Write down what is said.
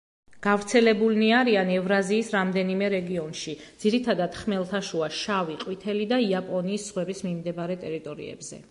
გავრცელებულნი არიან ევრაზიის რამდენიმე რეგიონში, ძირითადად ხმელთაშუა, შავი, ყვითელი და იაპონიის ზღვების მიმდებარე ტერიტორიებზე.